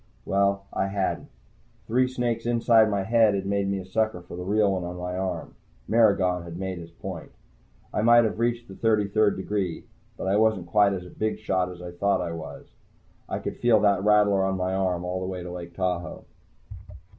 Well, I hadn't. Three snakes inside my head had made me a sucker for the real one on my arm. Maragon had made his point. I might have reached the thirty third degree, but I wasn't quite as big a shot as I thought I was. I could feel that rattler on my arm all the way to Lake Tahoe.